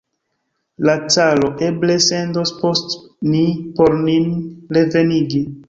La caro eble sendos post ni por nin revenigi!